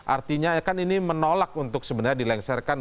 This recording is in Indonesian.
artinya kan ini menolak untuk sebenarnya dilengsarkan